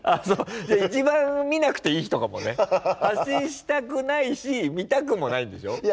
じゃあ一番見なくていい人かもね。発信したくないし見たくもないんでしょ？